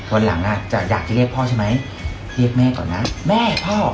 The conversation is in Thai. วันหลังอ่ะจะอยากจะเรียกพ่อใช่ไหมเรียกแม่ก่อนนะแม่พ่อ